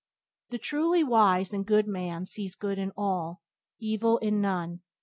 The truly wise and good man sees good in all, evil in none.